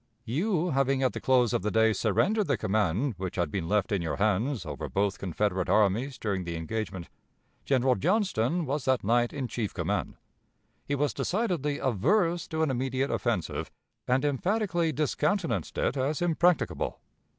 "You having at the close of the day surrendered the command, which had been left in your hands, over both Confederate armies during the engagement, General Johnston was that night in chief command. He was decidedly averse to an immediate offensive, and emphatically discountenanced it as impracticable.